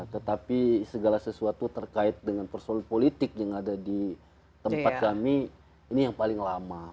tetapi segala sesuatu terkait dengan persoalan politik yang ada di tempat kami ini yang paling lama